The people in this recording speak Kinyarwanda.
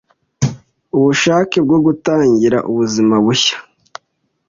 ubushake bwo gutangira ubuzima bushya